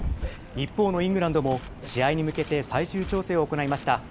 一方のイングランドも、試合に向けて最終調整を行いました。